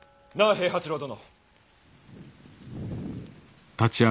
平八郎殿。